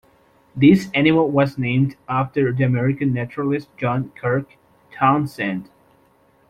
This animal was named after the American naturalist John Kirk Townsend.